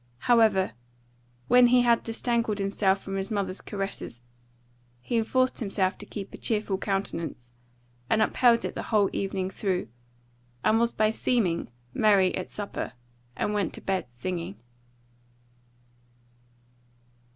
However, when he had disentangled himself from his mother's caresses, he enforced himself to keep a cheerful countenance, and upheld it the whole evening through, and was by seeming merry at supper, and went to bed singing.